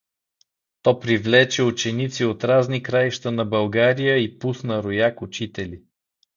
То привлече ученици от разни краища на България и пусна рояк учители.